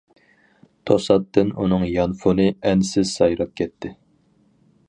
توساتتىن ئۇنىڭ يانفونى ئەنسىز سايراپ كەتتى.